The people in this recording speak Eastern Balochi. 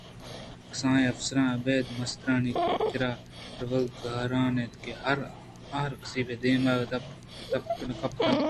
کسانیں افسراں ابید مسترٛانی کِرّا روگ گرٛان اِنت ءُآ ہرکس پہ دیم ءَ دپ نہ کپ اَنت